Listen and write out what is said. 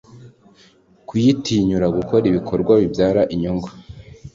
kuyitinyura gukora ibikorwa bibyara inyungu